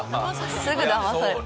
すぐだまされる。